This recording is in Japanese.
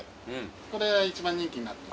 これ一番人気になってますね。